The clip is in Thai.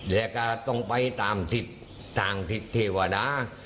แล้วก็ต้องไปตามทิศทางทิศเทวดา